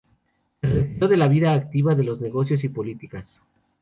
Se retiró de la vida activa de los negocios y políticas.